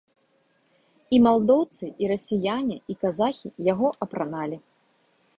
І малдоўцы, і расіяне, і казахі яго апраналі.